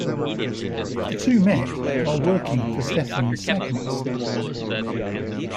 The two met while working for Stefan Sagmeister.